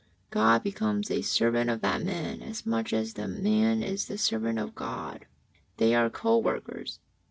God becomes a servant of that man as much as that man is the servant of God. They are co workers.